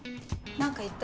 何か言った？